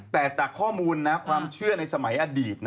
แต่จากข้อมูลนะความเชื่อในสมัยอดีต